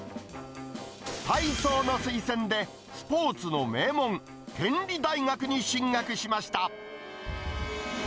体操の推薦でスポーツの名門、天理大学に進学しました。